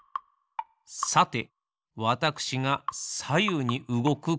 さてわたくしがさゆうにうごくこのはこ。